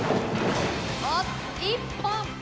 おっ１本！